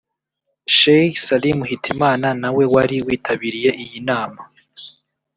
Sheikh Salim Hitimana nawe wari witabiriye iyi nama